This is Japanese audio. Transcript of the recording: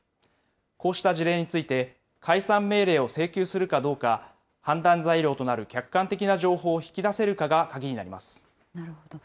こうした事例について、解散命令を請求するかどうか、判断材料となる客観的な情報を引き出せるかなるほど。